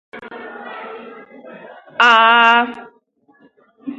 The show holds several American television longevity records.